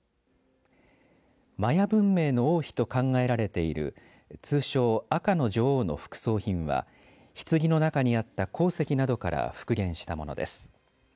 マヤ文明の王妃と考えられている通称、赤の女王の副葬品はひつぎの中にあった鉱石などから復元したものです。